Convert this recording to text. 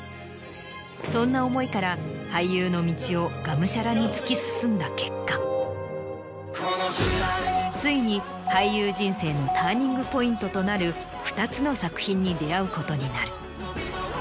そんな思いから俳優の道をがむしゃらに突き進んだ結果ついに俳優人生のターニングポイントとなる２つの作品に出合うことになる。